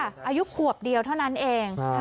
อายุขวบเดียวเท่านั้นเอง